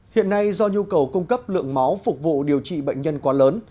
hiện nay do nhu cầu cung cấp lượng máu phục vụ điều trị bệnh nhân quá lớn